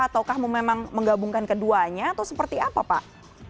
ataukah memang menggabungkan keduanya atau seperti apa pak